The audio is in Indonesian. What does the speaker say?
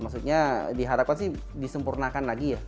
maksudnya diharapkan sih disempurnakan lagi ya